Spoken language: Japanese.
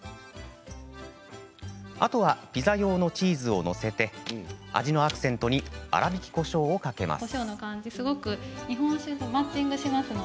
あとは、ピザ用のチーズを載せて味のアクセントに粗びきこしょうをかけます。